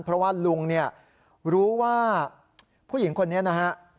เพราะว่าลุงเนี่ยรู้ว่าผู้หญิงคนนี้นะฮะ